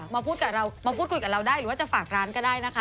มาพูดกับเรามาพูดคุยกับเราได้หรือว่าจะฝากร้านก็ได้นะคะ